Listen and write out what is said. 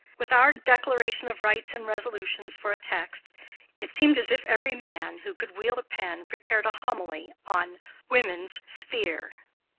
With our Declaration of Rights and Resolutions for a text, it seemed as if every man who could wield a pen prepared a homily on "woman's sphere."